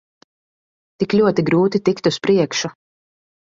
Tik ļoti grūti tikt uz priekšu.